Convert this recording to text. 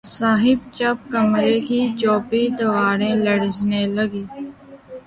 صاحب جب کمرے کی چوبی دیواریں لرزنے لگیں